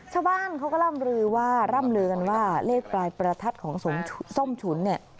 ชาวบ้านเขาก็ร่ำลือกันว่าเลขปลายประทัดของส้มฉุน